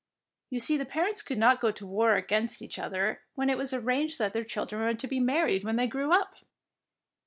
You see, the par ents could not go to war against each 55 DEEDS OF DARING other when it was arranged that their children were to be married when they grew up!